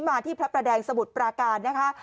มาที่พระประแดงสมุทรปราการนะคะ